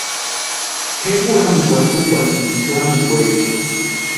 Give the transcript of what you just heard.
Kʼeri juramukwarhu úkwarhisïnti juramukwecha.